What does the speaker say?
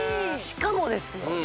しかもですよ